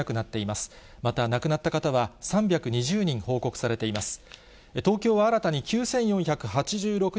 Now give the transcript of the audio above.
また亡くなった方は３２０人報告されています。